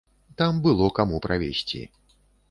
Там было каму правесці.